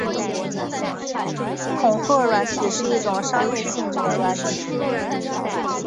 恐吓软体是一种商业性质的软体。